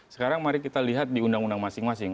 sekarang mari kita lihat di undang undang masing masing